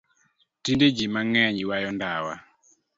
Tinde jii mangeny ywayo ndawa.